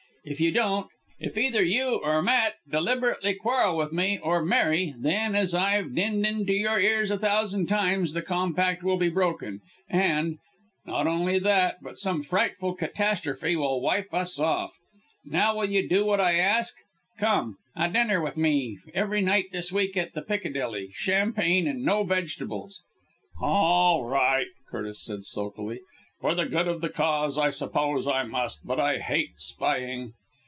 If you don't if either you or Matt deliberately quarrel with me, or marry then, as I've dinned into your ears a thousand times, the Compact will be broken, and not only that, but some frightful catastrophe will wipe us off. Now will you do what I ask? Come a dinner with me every night this week, at the Piccadilly champagne and no vegetables!" "All right," Curtis said sulkily, "for the good of the cause I suppose I must, but I hate spying."